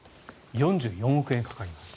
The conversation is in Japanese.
４４億円かかります。